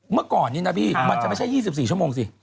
เมื่อก่อนนี้นะพี่มันจะไม่ใช่๒๔ชั่วโมงสิ